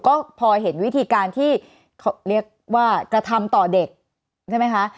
ก็พอเห็นวิธีการที่เขาเรียกว่ากระทำต่อเด็กใช่ไหมคะ